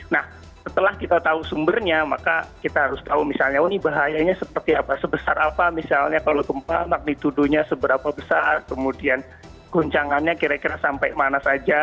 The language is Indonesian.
nah setelah kita tahu sumbernya maka kita harus tahu misalnya oh ini bahayanya seperti apa sebesar apa misalnya kalau gempa magnitudonya seberapa besar kemudian guncangannya kira kira sampai mana saja